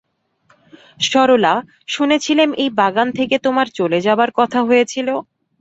সরলা, শুনেছিলেম এই বাগান থেকে তোমার চলে যাবার কথা হয়েছিল।